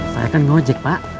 saya kan ngejek pak